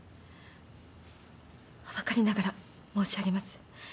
はばかりながら申し上げます。